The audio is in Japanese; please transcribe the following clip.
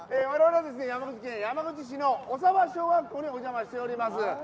われわれは山口県山口市の小鯖小学校にお邪魔しております。